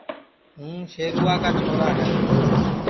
ہوں شیروا کا چھورا ہے